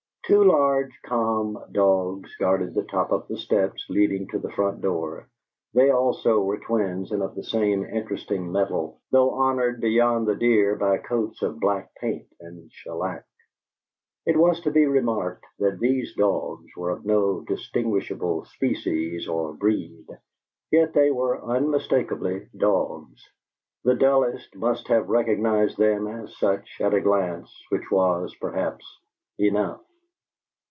Two large, calm dogs guarded the top of the steps leading to the front door; they also were twins and of the same interesting metal, though honored beyond the deer by coats of black paint and shellac. It was to be remarked that these dogs were of no distinguishable species or breed, yet they were unmistakably dogs; the dullest must have recognized them as such at a glance, which was, perhaps, enough.